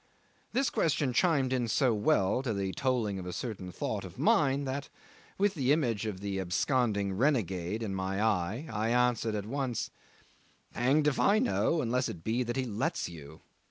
This question chimed in so well to the tolling of a certain thought of mine that, with the image of the absconding renegade in my eye, I answered at once, "Hanged if I know, unless it be that he lets you."